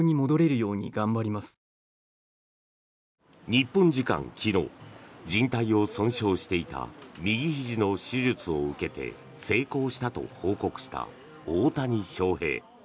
日本時間昨日じん帯を損傷していた右ひじの手術を受けて成功したと報告した大谷翔平。